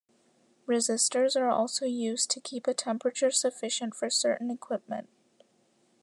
Resistors are also used to keep a temperature sufficient for certain equipment.